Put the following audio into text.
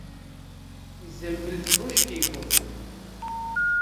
Zembîlfiroş tê gotin